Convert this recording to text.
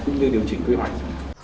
cũng như điều chỉnh quy hoạch